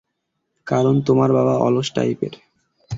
কারণ তোমার বাবা অলস টাইপের।